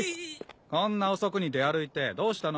こんな遅くに出歩いてどうしたの？